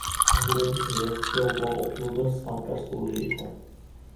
ვაგნერის რეაქცია უკმაყოფილო და სარკასტული იყო.